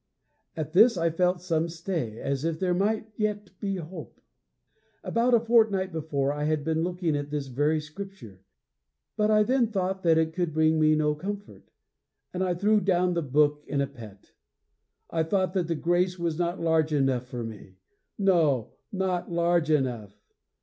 _ At this I felt some stay as if there might yet be hope. About a fortnight before, I had been looking at this very scripture, but I then thought that it could bring me no comfort, and I threw down the book in a pet. I thought that the grace was not large enough for me! no, not large enough!